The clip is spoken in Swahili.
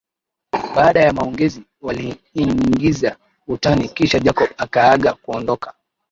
Baada ya maongezi waliingizia utani kisha Jacob akaaga kuondoka